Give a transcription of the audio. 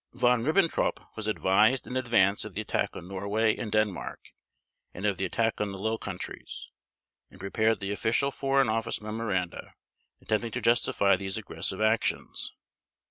Von Ribbentrop was advised in advance of the attack on Norway and Denmark and of the attack on the Low Countries, and prepared the official Foreign Office memoranda attempting to justify these aggressive actions.